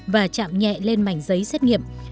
và chạm nhẹ lên mảnh giấy xét nghiệm